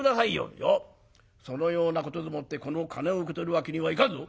「いやそのようなことでもってこの金を受け取るわけにはいかんぞ！